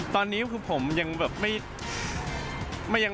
ตอนนี้คือผมยังแบบไม่ยัง